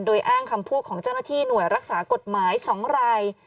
โดยอ้างคำพูดของเจ้าหน้าที่หน่วยรักษากฎหมาย๒ราย